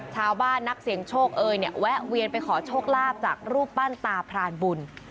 นักเสี่ยงโชคเอยเนี่ยแวะเวียนไปขอโชคลาภจากรูปปั้นตาพรานบุญ